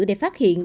để phát hiện